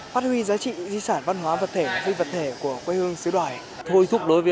phát huy giá trị di sản văn hóa vật thể vi vật thể của quê hương sứ đoài